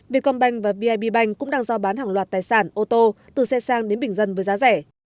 việt công banh và bid banh cũng đang do bán hàng loạt tài sản ô tô từ xe sang đến bình dân với giá rẻ